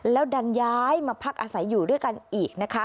แล้วดันย้ายมาพักอาศัยอยู่ด้วยกันอีกนะคะ